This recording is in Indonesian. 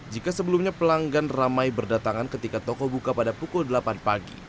jika sebelumnya pelanggan ramai berdatangan ketika toko buka pada pukul delapan pagi